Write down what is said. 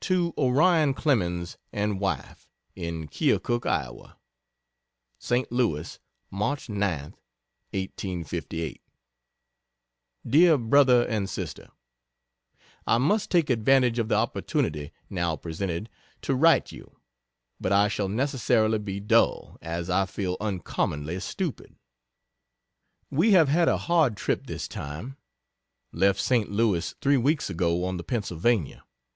To Onion Clemens and Wife, in Keokuk, Iowa: SAINT LOUIS, March 9th, 1858. DEAR BROTHER AND SISTER, I must take advantage of the opportunity now presented to write you, but I shall necessarily be dull, as I feel uncommonly stupid. We have had a hard trip this time. Left Saint Louis three weeks ago on the Pennsylvania.